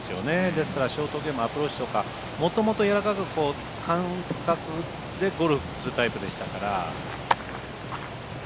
ですからアプローチとかもともとやわらかく感覚でゴルフするタイプでしたから。